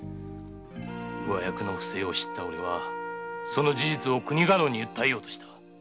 上役の不正を知った俺はそれを国家老に訴えようとした。